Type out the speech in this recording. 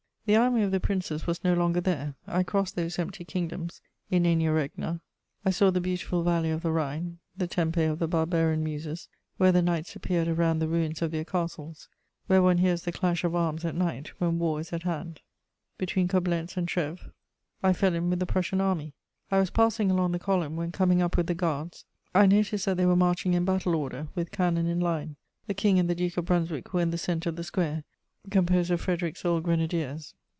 _ The Army of the Princes was no longer there. I crossed those empty kingdoms: inania regna; I saw the beautiful valley of the Rhine, the Tempe of the barbarian muses, where the knights appeared around the ruins of their castles, where one hears the clash of arms at night, when war is at hand. [Sidenote: Frederic William II.] Between Coblentz and Trèves, I fell in with the Prussian Army: I was passing along the column when, coming up with the guards, I noticed that they were marching in battle order, with cannon in line; the King and the Duke of Brunswick were in the centre of the square, composed of Frederic's old grenadiers.